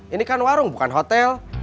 ini kan warung bukan hotel